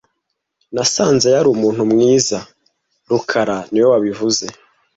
Nasanze yari umuntu mwiza rukara niwe wabivuze